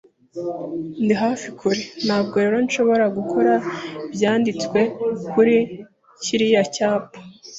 Ndi hafi-kure, ntabwo rero nshobora gukora ibyanditswe kuri kiriya cyapa.